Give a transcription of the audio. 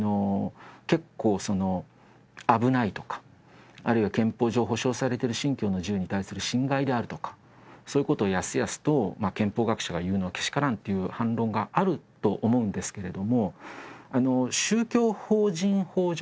過去に２例しかないので危ないとか憲法上保障されている信教の自由に対する侵害であるとか、そういうことをやすやすと憲法学者が言うのはけしからんという反論があると思いますけど。